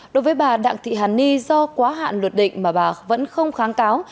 đối với bà đặng thị hàn ni do quá hạn luật định mà bà vẫn không kháng cáo